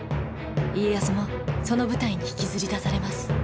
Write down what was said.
家康もその舞台に引きずり出されます。